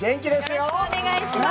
よろしくお願いします。